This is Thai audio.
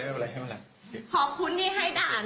น้าสาวของน้าผู้ต้องหาเป็นยังไงไปดูนะครับ